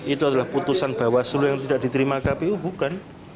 itu adalah putusan bawaslu yang tidak diterima kpu bukan